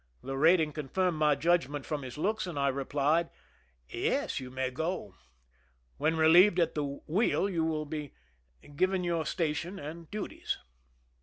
The rating confirmed my judgment from his looks, and I replied :" Yes ; you may go. When relieved at the wheel you will be given your 82 THE RUN IN station and duties."